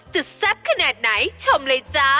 แซ่บขนาดไหนชมเลยจ้า